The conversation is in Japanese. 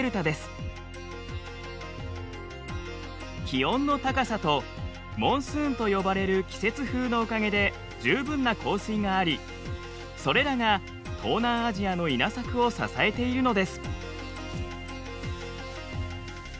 気温の高さとモンスーンと呼ばれる季節風のおかげで十分な降水がありそれらが東南アジアの稲作を支えているのです。